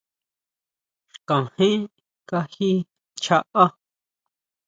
Xkajén kají chjaá.